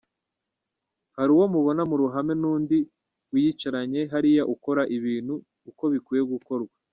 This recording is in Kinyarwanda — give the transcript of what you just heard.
Hari uwo mubona mu ruhame n’undi wiyicariye hariya ukora ibintu uko bikwiye gukorwa”.